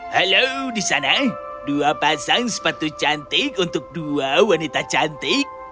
halo di sana dua pasang sepatu cantik untuk dua wanita cantik